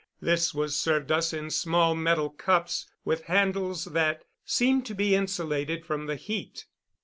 This was served us in small metal cups with handles that seemed to be insulated from the heat.